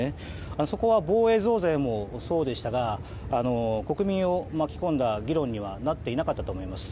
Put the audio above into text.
そこは防衛増税もそうでしたが国民を巻き込んだ議論にはなっていなかったと思います。